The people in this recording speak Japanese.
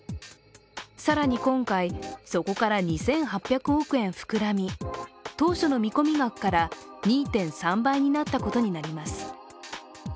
更に今回、そこから２８００億円膨らみ当初の見込み額から２．３倍になったことになります。